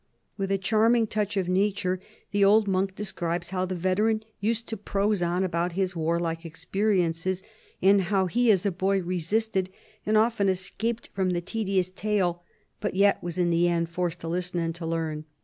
With a cliarm ing touch of nature, the old monk describes how the veteran used to prose on about his warlike expe riences, and how he as a boy resisted, and often es caped from the tedious tale, but yet was in the end forced to listen and to learn.